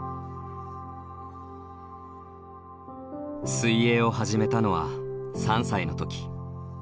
水泳を始めたのは３歳の時。